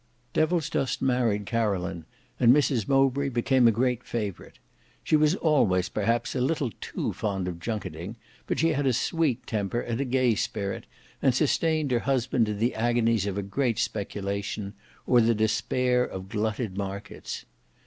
Devilsdust married Caroline, and Mrs Mowbray became a great favorite. She was always perhaps a little too fond of junketting but she had a sweet temper and a gay spirit, and sustained her husband in the agonies of a great speculation, or the despair of glutted markets.